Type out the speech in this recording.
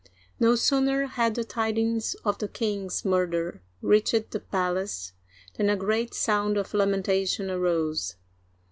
No sooner had the tidings of the king's murder reached the palace than a great sound of lamentation arose.